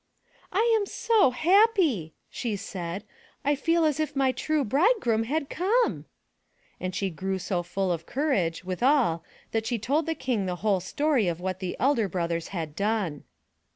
*'I am so happy," she said, "I feel as if my true bridegroom had come." And she grew so full of courage, withal, that she told the King the whole story of what the elder brothers had done.